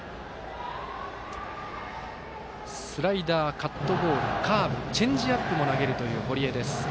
スライダー、カットボールカーブチェンジアップも投げるという堀江です。